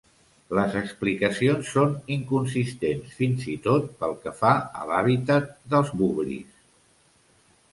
Les explicacions són inconsistents fins i tot pel que fa a l'habitat dels Boobries.